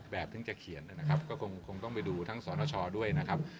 ถึงจะเขียนนะครับก็คงต้องไปดูทั้งสนชด้วยนะครับ